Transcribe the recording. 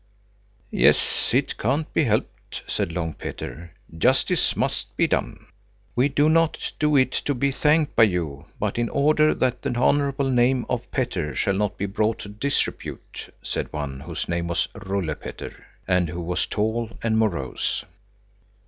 "Yes, it can't be helped," said Long Petter, "justice must be done." "We do not do it to be thanked by you, but in order that the honorable name of Petter shall not be brought to disrepute," said one, whose name was Rulle Petter, and who was tall and morose.